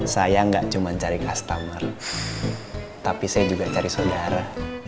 saya nggak cuma cari customer tapi saya juga cari saudara